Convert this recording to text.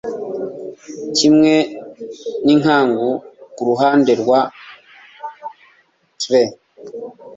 Kimwe n'inkangu kuruhande rwa Trent